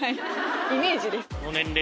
イメージです。